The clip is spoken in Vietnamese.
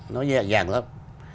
nó nhẹ nhàng lắm